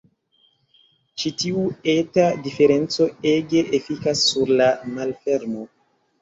Ĉi tiu eta diferenco ege efikas sur la malfermo.